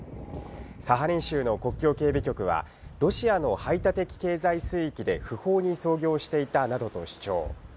サハリン州の国境警備局はロシアの排他的経済水域で不法に操業していたなどと主張。